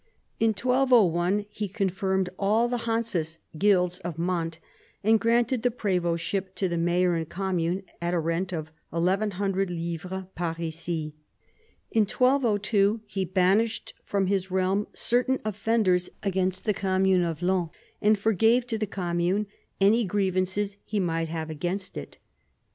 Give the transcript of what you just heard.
In 1201 he confirmed all the hansas (guilds) of Mantes, and granted the prevdtship to the mayor and commune at a rent of 1100 livres parisis. In 1202 he banished from his realm certain offenders against the commune of Laon, and forgave to the commune any grievances he might have against it.